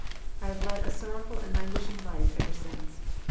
I have led a sorrowful and languishing life ever since.